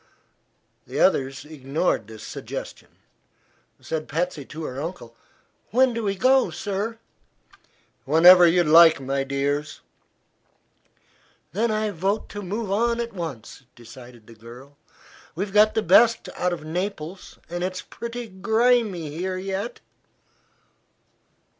The others ignored this suggestion. Said Patsy to her uncle: "When do we go, sir?" "Whenever you like, my dears." "Then I vote to move on at once," decided the girl. "We've got the best out of Naples, and it's pretty grimey here yet."